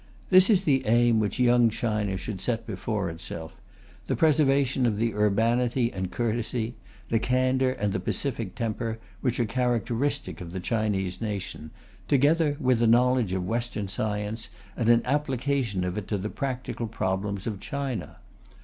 This is the aim which Young China should set before itself: the preservation of the urbanity and courtesy, the candour and the pacific temper, which are characteristic of the Chinese nation, together with a knowledge of Western science and an application of it to the practical problems of China.